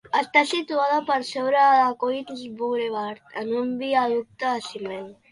Està situada per sobre de Queens Boulevard, en un viaducte de ciment.